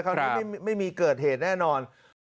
ที่ไม่มีเกิดเหตุแน่นอน